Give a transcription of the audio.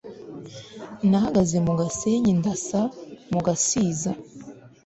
nahagaze mu gasenyi ndasa mu gasiza